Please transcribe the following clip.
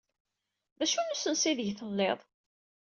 D acu n usensu aydeg tellid?